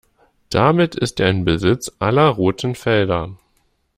Damit ist er in Besitz aller roten Felder.